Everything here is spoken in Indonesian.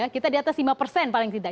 kita di atas lima persen paling tidak